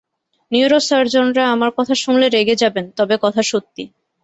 Neuro সার্জনরা আমার কথা শুনলে রেগে যাবেন, তবে কথা সত্যি।